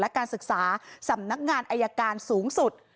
และการศึกษาสำนักงานอายการสูงสุด